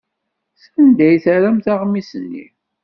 Sanda ay terram aɣmis-nni?